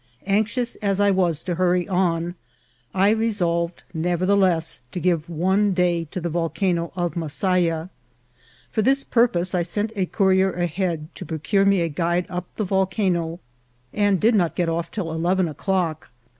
Anxious as I was to hurry on, I resolved nevertheless to give one day to the Volcano of Masaya. For this purpose I sent a courier ahead to procure me a guide up the volcano, and did not get off till eleven o'clock.